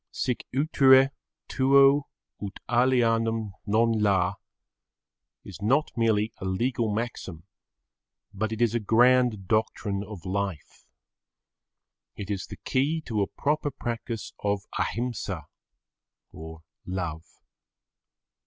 Sic utere tuo ut alienum non la is not merely a legal maxim, but it is a grand doctrine of life. It is the key to a proper practice of Ahimsa or love.